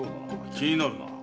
気になるなあ。